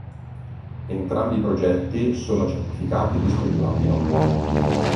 Entrambi i progetti sono certificati disco di platino.